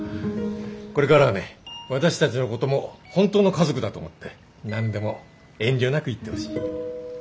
これからはね私たちのことも本当の家族だと思って何でも遠慮なく言ってほしい。